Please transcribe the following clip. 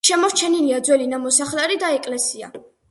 შემორჩენილია ძველი ნამოსახლარი და ეკლესია.